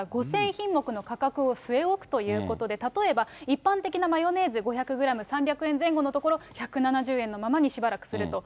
５０００品目の価格を据え置くということで、例えば、一般的なマヨネーズ５００グラム３００円前後のところ、１７０円のままにしばらくすると。